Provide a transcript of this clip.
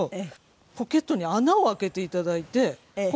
ポケットに穴を開けて頂いてここから線が。